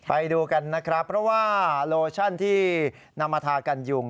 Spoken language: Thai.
ไปดูกันนะครับเพราะว่าโลชั่นที่นำมาทากันยุง